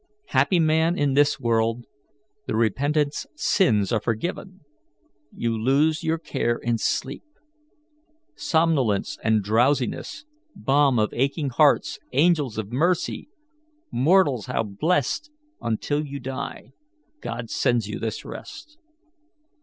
Happy man in this world, the repentant's sins are forgiven! You lose your care in sleep. Somnolence and drowsiness balm of aching hearts, angels of mercy! Mortals, how blessed! until you die, God sends you this rest.